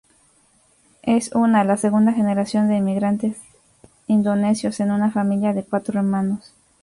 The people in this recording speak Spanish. Es una la segunda generación de emigrantes indonesios en una familia de cuatro hermanos.